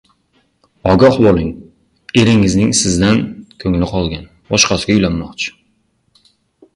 Ogoh boʻling, eringizning sizdan koʻngli qolgan, boshqasiga uylanmoqchi.